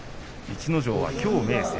逸ノ城はきょう明生。